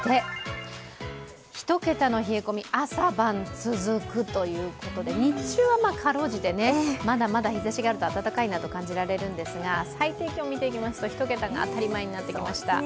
１桁の冷え込み、朝晩続くということで、日中はかろうじて、まだまだ日ざしがあると暖かいなと感じられるんですが、最低気温見ていきますと１桁が当たり前になってきました。